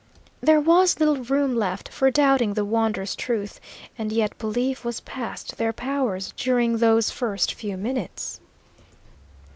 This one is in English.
There was little room left for doubting the wondrous truth, and yet belief was past their powers during those first few minutes.